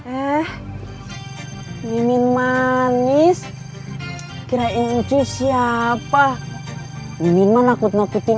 eh mimin manis kirain cuy siapa mimin mah nakut nakutin